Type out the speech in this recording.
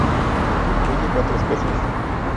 Incluye cuatro especies.